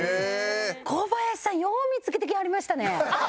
小林さんよう見つけてきはりましたね。